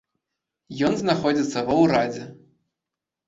Ён знаходзіцца ва ўрадзе.